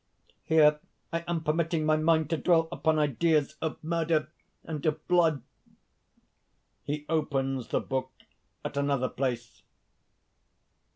here I am permitting my mind to dwell upon ideas of murder and of blood!..." (_He opens the book at another place.